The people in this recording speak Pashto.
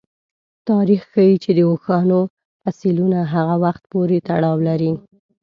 تاریخ ښيي چې د اوښانو فسیلونه هغه وخت پورې تړاو لري.